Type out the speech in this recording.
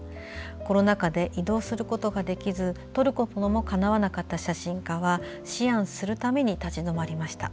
コロナ禍で移動することができず撮ることもかなわなかった写真家は思案するために立ち止まりました。